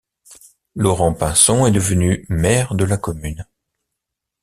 Laurent Pinson est devenu maire de la commune.